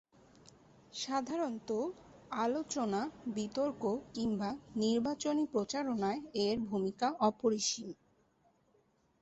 সাধারণতঃ আলোচনা, বিতর্ক কিংবা নির্বাচনী প্রচারণায় এর ভূমিকা অপরিসীম।